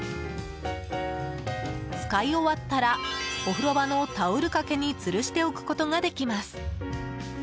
使い終わったらお風呂場のタオルかけにつるしておくことができます。